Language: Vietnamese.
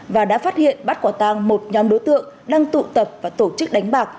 và đã phát hiện bắt quả tang một nhóm đối tượng đang tụ tập và tổ chức đánh bạc